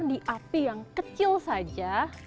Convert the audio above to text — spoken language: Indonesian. di api yang kecil saja